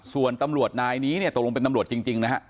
ส่วนตำรวจนายนี้ตกลงเป็นตำรวจจริงนะครับ